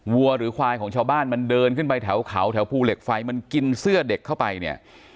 วัวหรือควายของชาวบ้านมันเดินขึ้นไปแถวเขาแถวภูเหล็กไฟมันกินเสื้อเด็กเข้าไปเนี่ย